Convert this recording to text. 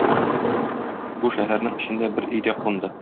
Бу шәһәрнең эчендә бер өйдә кунды.